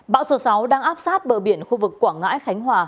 bão số sáu đang áp sát bờ biển khu vực quảng ngãi khánh hòa